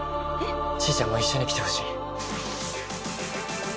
ちーちゃんも一緒に来てほしい。